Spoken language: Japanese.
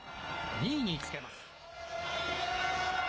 ２位につけます。